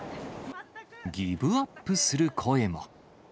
ギブアップする声も。